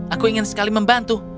aku ingin sekali membantu